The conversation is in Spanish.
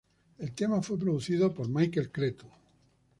El tema fue producido por Michael Cretu.